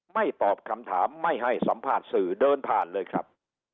ตอบคำถามไม่ให้สัมภาษณ์สื่อเดินผ่านเลยครับ